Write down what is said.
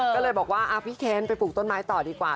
ก็เลยบอกว่าพี่เคนไปปลูกต้นไม้ต่อดีกว่า